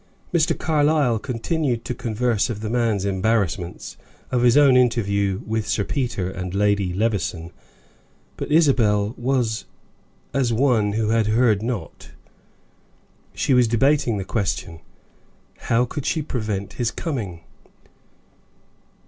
Mr. Carlyle continued to converse of the man's embarrassments, of his own interview with Sir Peter and Lady Levison; but Isabel was as one who heard not. She was debating the question, how she could prevent his coming?